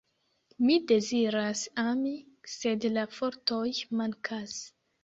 Mi deziras ami, sed la fortoj mankas.